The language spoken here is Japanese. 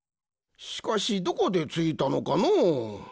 しかしどこでついたのかのう？